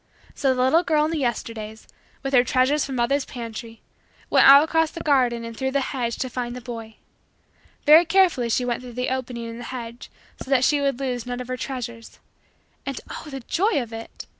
So the little girl in the Yesterdays, with her treasures from mother's pantry, went out across the garden and through the hedge to find the boy. Very carefully she went through the opening in the hedge so that she would lose none of her treasures. And oh, the joy of it!